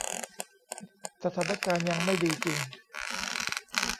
สถานการณ์ยังไม่ดีจริง